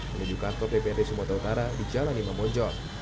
menunjukkan kakor dprd sumatera utara di jalan imam monjok